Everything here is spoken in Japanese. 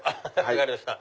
分かりました。